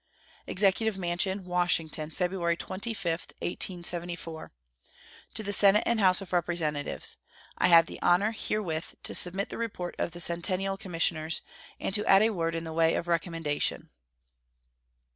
EXECUTIVE MANSION, Washington, February 25, 1874. To the Senate and House of Representatives: I have the honor herewith to submit the report of the Centennial Commissioners, and to add a word in the way of recommendation.